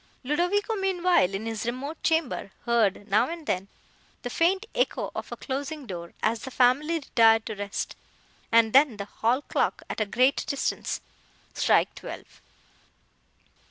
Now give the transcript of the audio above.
Ludovico, meanwhile, in his remote chamber, heard, now and then, the faint echo of a closing door, as the family retired to rest, and then the hall clock, at a great distance, strike twelve.